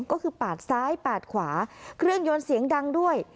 ก็คือปาดซ้ายปาดขวาเครื่องยนต์เสียงดังด้วย